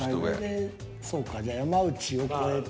そうかじゃあ山内を超えて。